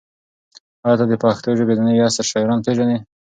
ایا ته د پښتو ژبې د نوي عصر شاعران پېژنې؟